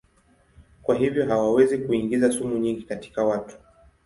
Kwa hivyo hawawezi kuingiza sumu nyingi katika watu.